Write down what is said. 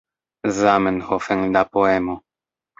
Zamenhof en la poemo.